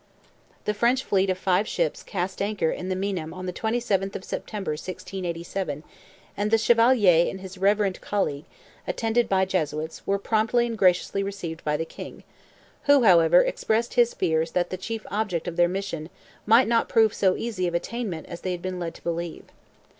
The French fleet of five ships cast anchor in the Meinam on the 27th of September, 1687, and the Chevalier and his reverend colleague, attended by Jesuits, were promptly and graciously received by the king, who, however, expressed his "fears" that the chief object of their mission might not prove so easy of attainment as they had been led to believe.